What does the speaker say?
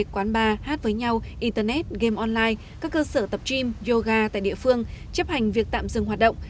quán bar hát với nhau internet game online các cơ sở tập gym yoga tại địa phương chấp hành việc tạm dừng hoạt động